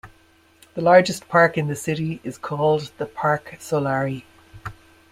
The largest park in the city is called the Parque Solari.